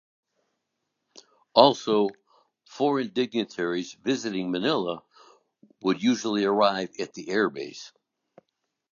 Also, foreign dignitaries visiting Manila would usually arrive at the air base.